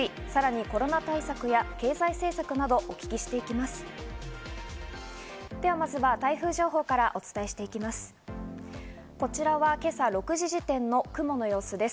総裁選に向けた決意、さらにコロナ対策や経済政策などをお聞きしていきます。